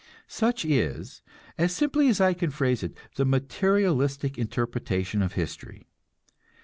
Such is, as simply as I can phrase it, the materialistic interpretation of history.